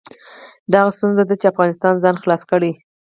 دا هغه ستونزه ده چې افغانستان ځان خلاص کړي.